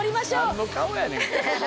何の顔やねん！